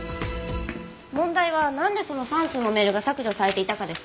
問題はなんでその３通のメールが削除されていたかです。